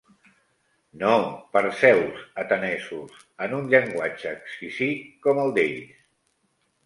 No, per Zeus, atenesos, en un llenguatge exquisit com el d'ells.